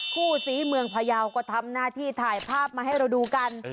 คู่ศรีเมืองพยาวก็ทำหน้าที่ถ่ายภาพมาให้เราดูกัน